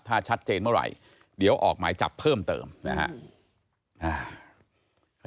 ถ้าชัดเจนเมื่อไหร่เดี๋ยวออกหมายจับเพิ่มเติมนะครับ